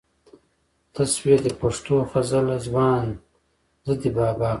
ته شوې د پښتو غزله ځوان زه دې بابا کړم